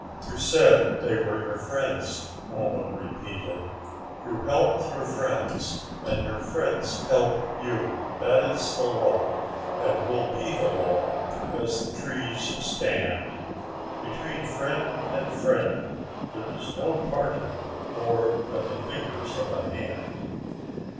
"You said they were your friends," Baba repeated. "You help your friends and your friends help you. That is the law and will be the law as the trees stand. Between friend and friend there is no parting more than the fingers of a hand."